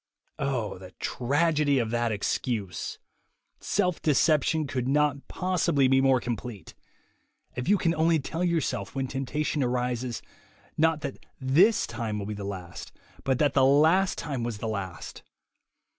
Oh, the tragedy of that excuse ! Self deception could not possibly be more complete. If you can only tell yourself, when temptation arises, not that this time will be the last^ but that the last time was the last!